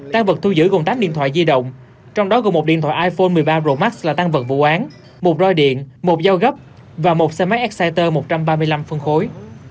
tăng vật thu giữ gồm tám điện thoại di động trong đó gồm một điện thoại iphone một mươi ba pro max là tan vật vụ án một roi điện một dao gấp và một xe máy exciter một trăm ba mươi năm phân khối